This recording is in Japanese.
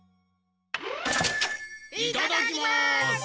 いただきます！